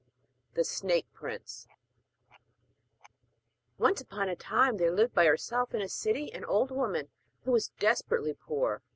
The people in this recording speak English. THE SNAKE PRINCE Once upon a time there lived by herself, in a city, an old woman who was desperately poor.